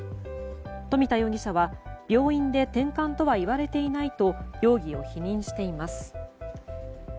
冨田容疑者は、病院でてんかんとは言われていないと容疑を否認しています。